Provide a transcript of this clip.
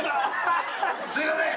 すいません。